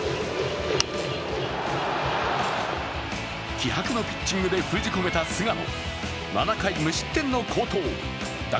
気迫のピッチングで封じ込めた菅野。